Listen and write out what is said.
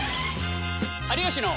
「有吉の」。